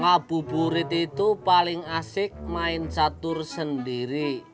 mabuburit itu paling asik main cutture sendiri